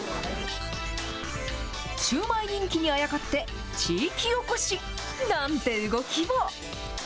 シューマイ人気にあやかって、地域おこしなんて動きも。